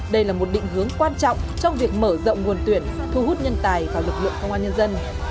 đây là một định hướng quan trọng trong việc mở rộng nguồn tuyển thu hút nhân tài vào lực lượng công an nhân dân